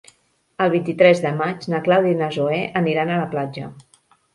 El vint-i-tres de maig na Clàudia i na Zoè aniran a la platja.